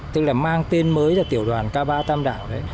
tức là mang tên mới là tiểu đoàn k ba tam đảo đấy